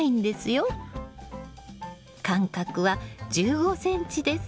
間隔は１５ｃｍです。